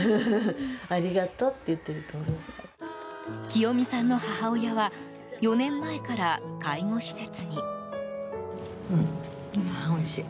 清美さんの母親は４年前から介護施設に。